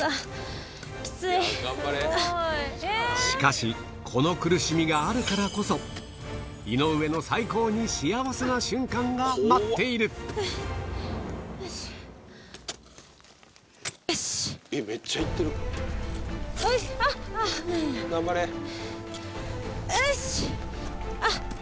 しかしこの苦しみがあるからこそ井上の最高に幸せな瞬間が待っているあっ！